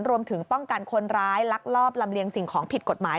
รวมถึงป้องกันคนร้ายลักลอบลำเลียงสิ่งของผิดกฎหมาย